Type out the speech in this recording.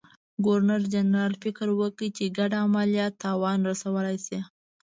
ګورنرجنرال فکر وکړ چې ګډ عملیات تاوان رسولای شي.